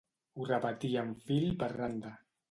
Ho repetíem fil per randa.